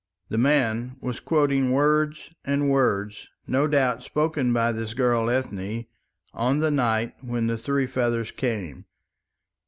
The man was quoting words, and words, no doubt, spoken by this girl Ethne on the night when the three feathers came.